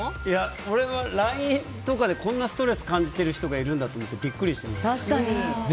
俺はＬＩＮＥとかでこんなにストレスを感じてる人がいるんだと思ってビックリしてます。